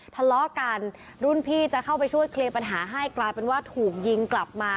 ทะเลาะกันรุ่นพี่จะเข้าไปช่วยเคลียร์ปัญหาให้กลายเป็นว่าถูกยิงกลับมา